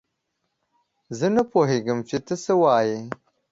زه نه پوهېږم چې تۀ څۀ وايي.